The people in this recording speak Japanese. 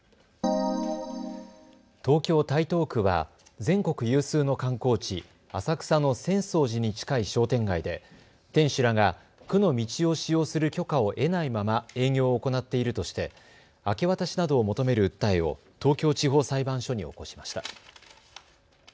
東京台東区は全国有数の観光地、浅草の浅草寺に近い商店街で店主らが区の道を使用する許可を得ないまま営業を行っているとして明け渡しなどを求める訴えを東京地方裁判所に起こしました。